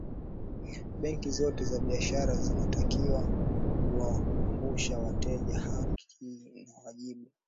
benki zote za biashara zinatakiwa kuwakumbusha wateja haki na wajibu